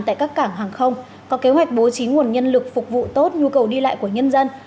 tại các cảng hàng không có kế hoạch bố trí nguồn nhân lực phục vụ tốt nhu cầu đi lại của nhân dân